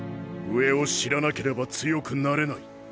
上を知らなければ強くなれない。